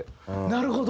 なるほど。